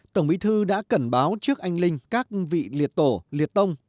tổng bí thư đã cảnh báo trước anh linh các vị liệt tổ liệt tông